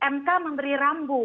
mk memberi rambu